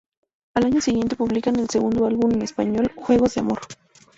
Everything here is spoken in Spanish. Al año siguiente publican el segundo álbum en español "Juegos de Amor".